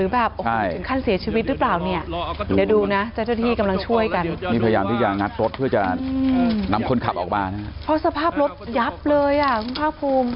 ยับเลยอ่ะคุณภาคภูมิ